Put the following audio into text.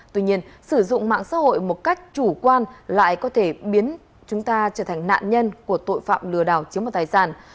tuy nhiên sử dụng mạng xã hội một cách chủ quan lại có thể biến chúng ta trở thành nạn nhân của tội phạm lừa đảo chiếm vào tài sản